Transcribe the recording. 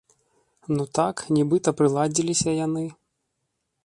Ну так, нібыта прыладзіліся яны.